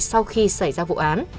sau khi xảy ra vụ án